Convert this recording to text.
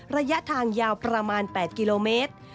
ระยะทางยาวประมาณ๘กิโลเมตร